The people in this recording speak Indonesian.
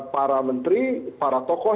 para menteri para tokoh